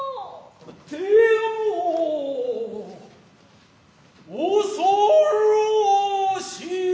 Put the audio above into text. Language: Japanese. ても恐ろしい。